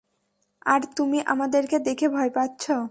আর তুমি আমাদেরকে দেখে ভয় পাচ্ছো?